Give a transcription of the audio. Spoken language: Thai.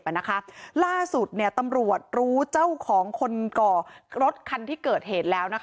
ล่าสุดตำรวจรู้เจ้าของคนก่อรถคันที่เกิดเหตุแล้ว